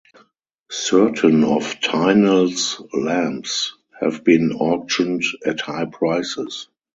Certain of Tynell’s lamps have been auctioned at high prices.